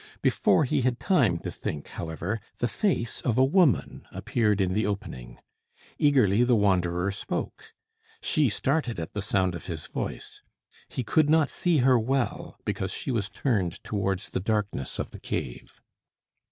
Before he had time to think, however, the face of a woman appeared in the opening. Eagerly the wanderer spoke. She started at the sound of his voice. He could not see her well, because she was turned towards the darkness of the cave.